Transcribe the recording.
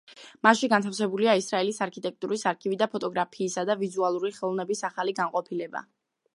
მასში განთავსებულია ისრაელის არქიტექტურის არქივი და ფოტოგრაფიისა და ვიზუალური ხელოვნების ახალი განყოფილება.